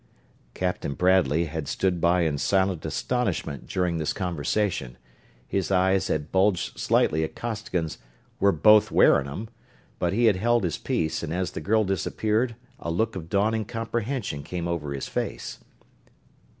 Captain Bradley had stood by in silent astonishment during this conversation. His eyes had bulged slightly at Costigan's "we're both wearing 'em," but he had held his peace and as the girl disappeared a look of dawning comprehension came over his face.